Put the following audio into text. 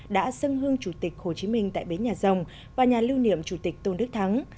đã dâng hương chủ tịch hồ chí minh tại bến nhà rồng và nhà lưu niệm chủ tịch tôn đức thắng